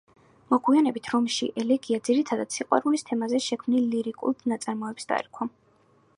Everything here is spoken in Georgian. მოგვიანებით რომში ელეგია ძირითადად სიყვარულის თემაზე შექმნილ ლირიკულ ნაწარმოებს დაერქვა.